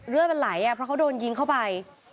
เลือดมันไหลเพราะเขาโดนยิงเข้าไป